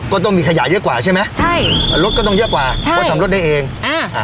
ต้องมีขยะเยอะกว่าใช่ไหมใช่อ่ารถก็ต้องเยอะกว่าใช่เพราะทำรถได้เองอ่าอ่า